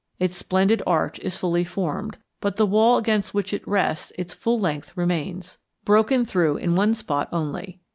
Its splendid arch is fully formed, but the wall against which it rests its full length remains, broken through in one spot only.